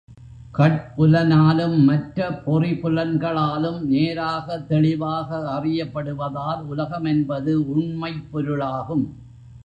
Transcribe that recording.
Cut புலனாலும் மற்ற பொறி புலன்களாலும் நேராக தெளிவாக அறியப்படுவதால், உலகம் என்பது உண்மைப் பொருளாகும்.